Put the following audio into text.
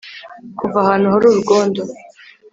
kuva ahantu hari urwondo.